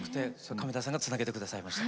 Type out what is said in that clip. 亀田さんがつなげてくださいました。